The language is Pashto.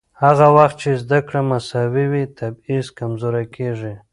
هغه وخت چې زده کړه مساوي وي، تبعیض کمزورې کېږي.